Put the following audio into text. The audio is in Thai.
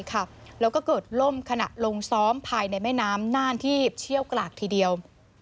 แล้วก็เกิดล่มขณะลงซ้อมภายในแม่น้ำน่านที่เชี่ยวกรากทีเดียว